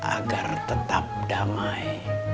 agar tetap damai